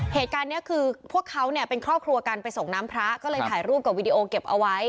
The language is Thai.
เหตุการณ์นี้คือพวกเขาเนี่ยเป็นครอบครัวกันไปส่งน้ำพระก็เลยถ่ายรูปกับวีดีโอเก็บเอาไว้